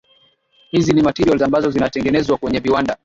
hizi ni materials ambazo zinatengenezwa kwenye viwanda